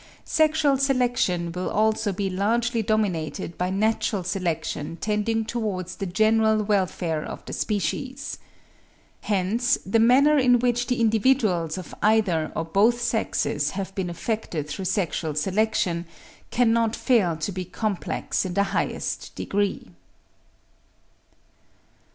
Sexual selection will also be largely dominated by natural selection tending towards the general welfare of the species. Hence the manner in which the individuals of either or both sexes have been affected through sexual selection cannot fail to be complex in the highest degree.